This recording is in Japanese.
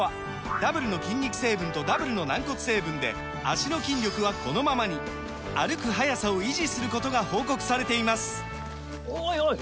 ダブルの筋肉成分とダブルの軟骨成分で脚の筋力はこのままに歩く速さを維持することが報告されていますおいおい！